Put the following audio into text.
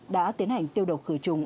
đã tiến hành tiêu độc khử trùng